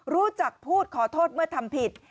รู้จักพูดขอโทษเมื่อทำผิด